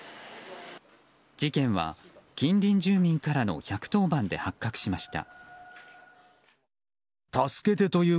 事件は近隣住民からの１１０番通報で発覚しました。